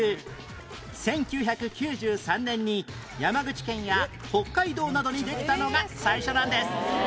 １９９３年に山口県や北海道などにできたのが最初なんです